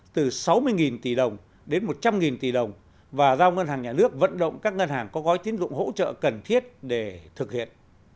từ sáu mươi tỷ đồng đến một trăm linh tỷ đồng và giao ngân hàng nhà nước vận động các ngân hàng có gói tín dụng hỗ trợ cần thiết để thực hiện